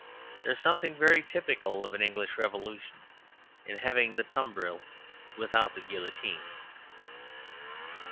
There is something very typical of an English revolution in having the tumbril without the guillotine.